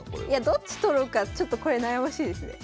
どっち取ろうかちょっとこれ悩ましいですねこれ。